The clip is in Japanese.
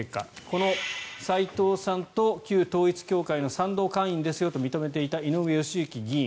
この斎藤さんと旧統一教会の賛同会員ですよと認めていた井上義行議員